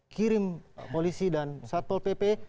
kirim polisi dan satpol pp